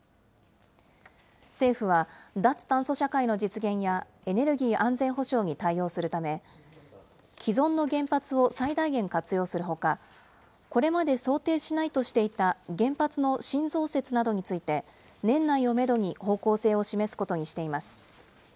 政府は、脱炭素社会の実現やエネルギー安全保障に対応するため、既存の原発を最大限活用するほか、これまで想定しないとしていた、原発の新増設などについて、年内をメドに方向性を示すことにしています。